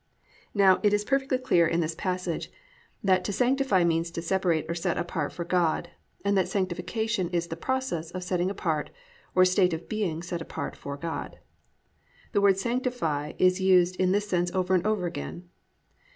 "+ Now it is perfectly clear in this passage that to _sanctify means to separate or set apart for God, and that Sanctification is the process of setting apart or state of being set apart for God_. The word Sanctify is used in this sense over and over again.